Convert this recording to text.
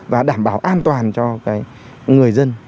và đảm bảo an toàn cho người dân